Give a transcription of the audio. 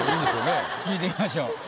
聞いてみましょう。